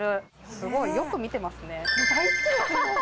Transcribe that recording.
すごいよく見てますね。